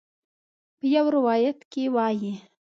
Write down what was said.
په یو روایت کې وایي.